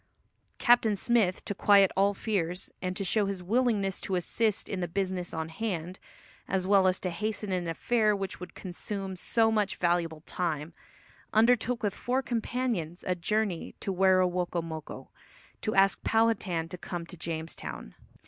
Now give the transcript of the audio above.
Captain Smith, to quiet all fears, and to show his willingness to assist in the business on hand, as well as to hasten an affair which would consume so much valuable time, undertook with four companions a journey to Werowocomoco, to ask Powhatan to come to Jamestown.